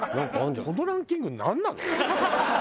このランキングなんなの？